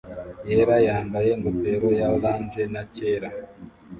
yera yambaye ingofero ya orange na cyera